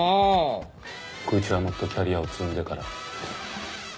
愚痴はもっとキャリアを積んでから。